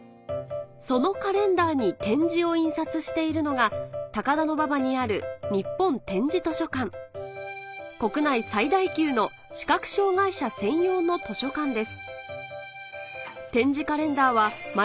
そのカレンダーに点字を印刷しているのが高田馬場にある国内最大級の視覚障がい者専用の図書館です